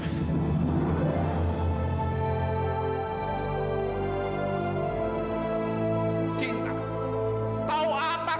emang dia mampu itu pak